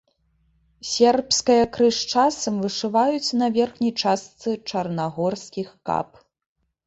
Сербская крыж часам вышываюць на верхняй частцы чарнагорскіх кап.